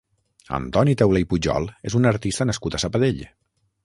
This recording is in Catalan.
Antoni Taulé i Pujol és un artista nascut a Sabadell.